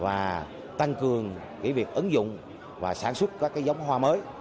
và tăng cường việc ứng dụng và sản xuất các giống hoa mới